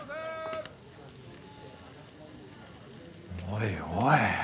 おいおい。